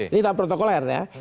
ini dalam protokol air ya